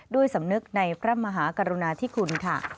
ด้วยสำนึกในพระมหากรุณาที่คุณ